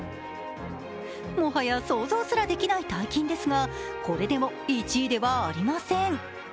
もはや想像すらできない大金ですが、これでも１位ではありません。